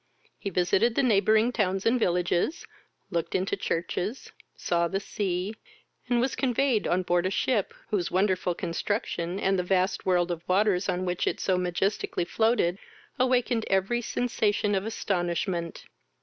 He visited the neighbouring towns and villages, looked into the churches, saw the sea, and was conveyed on board a ship, whose wonderful construction, and the vast world of waters on which it so majestically floated, awakened every sensation of astonishment.